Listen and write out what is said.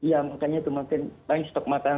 ya makanya itu makin banyak stok makanan